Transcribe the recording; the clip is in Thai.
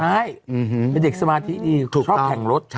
ใช่เป็นเด็กสมาธิดีชอบแข่งรถ